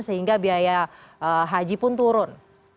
sehingga biaya haji itu bisa turun